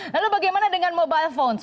lalu bagaimana dengan mobile phone